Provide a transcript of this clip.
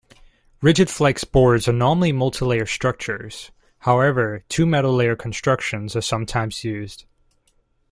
Rigid-flex boards are normally multilayer structures; however, two metal layer constructions are sometimes used.